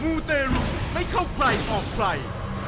ูเตรุไม่เข้าใครออกใคร